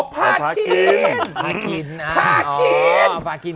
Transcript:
อ้อพาดขิน